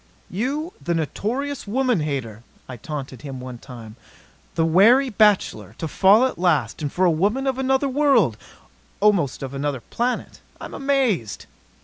"You, the notorious woman hater," I taunted him one time, "the wary bachelor to fall at last. And for a woman of another world almost of another planet! I'm amazed!"